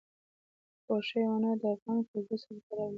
وحشي حیوانات د افغان کلتور سره تړاو لري.